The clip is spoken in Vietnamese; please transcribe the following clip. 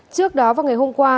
trước đó vào ngày hôm qua